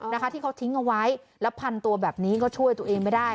นะคะที่เขาทิ้งเอาไว้แล้วพันตัวแบบนี้ก็ช่วยตัวเองไม่ได้